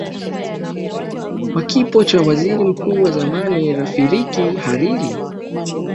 wakipo cha waziri mkuu wa zamani rafirik hariri